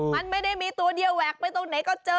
มันไม่ได้มีตัวเดียวแหวกไปตรงไหนก็เจอ